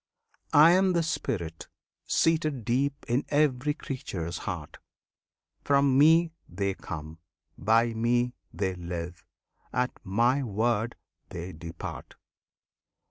I am the Spirit seated deep in every creature's heart; From Me they come; by Me they live; at My word they depart!